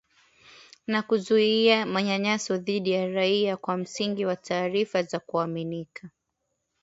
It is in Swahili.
na kuzuia manyanyaso dhidi ya raia kwa msingi wa taarifa za kuaminika